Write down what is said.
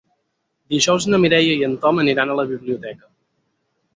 Dijous na Mireia i en Tom aniran a la biblioteca.